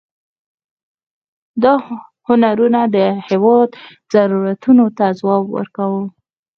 دا هنرونه د هېواد ضرورتونو ته ځواب ورکاوه.